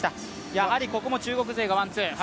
やはりここも中国勢がワン・ツー。